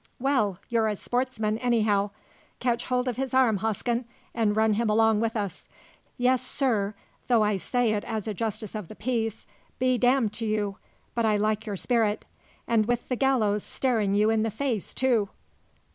"Well, you're a sportsman, anyhow. Catch hold of his arm, Hosken, and run him along with us. Yes, sir, though I say it as a justice of the peace, be d d to you, but I like your spirit. And with the gallows staring you in the face, too!"